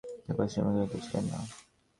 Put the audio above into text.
তিনি শীর্ষ পারিশ্রমিক গ্রহীতা ছিলেন না।